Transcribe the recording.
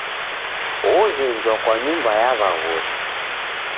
Oghenjwa kwa nyumba ya w'aghosi.